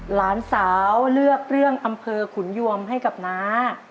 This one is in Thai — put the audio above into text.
หลานสาวเลือกเรื่องอำเภอขุนยวมให้กับน้า